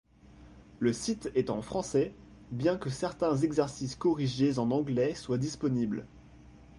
Le site est en français, bien que certains exercices corrigés en anglais soient disponibles.